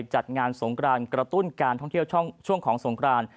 จัดงานสงกรานกระตุ้นการท่องเที่ยวช่วงของสงคราน